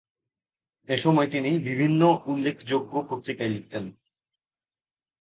এসময় তিনি বিভিন্ন উল্লেখযোগ্য পত্রিকায় লিখতেন।